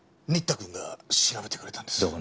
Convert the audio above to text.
新田くんが調べてくれたんです。